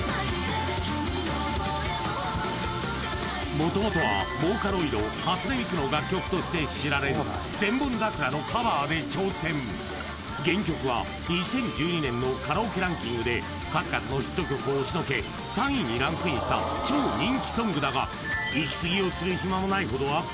元々はボーカロイド初音ミクの楽曲として知られる「千本桜」のカバーで挑戦原曲は２０１２年のカラオケランキングで数々のヒット曲をおしのけ３位にランクインした超人気ソングだが息継ぎをする暇もないほどアップ